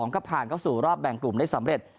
ก็ผ่านเข้าสู่รอบแบ่งกลุ่มได้สำเร็จ